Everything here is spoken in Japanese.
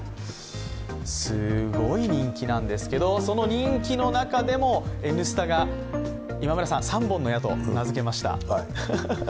すごい人気なんですけどもその人気の中でも「Ｎスタ」が三本の矢と名付けました。